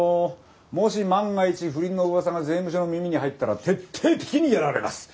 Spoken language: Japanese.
もし万が一不倫のうわさが税務署の耳に入ったら徹底的にやられます。